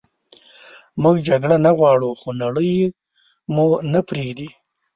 موږ جګړه نه غواړو خو نړئ مو نه پریږدي